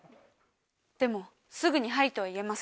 でもすぐに「はい」とは言えません。